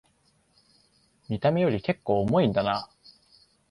見た目よりけっこう重いんだな